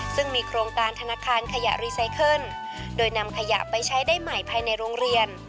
ซึ่งมีโครงการธนาคารขยะรีไซเคิลโดยนำขยะไปใช้ได้ใหม่ภายในโรงเรียน